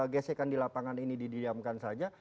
gesekan di lapangan ini didiamkan saja